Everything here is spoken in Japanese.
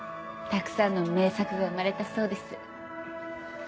たくさんの名作が生まれたそうです。